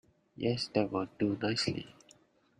Yes, that would do nicely.